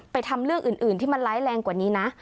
ทำเรื่องอื่นที่มันร้ายแรงกว่านี้นะ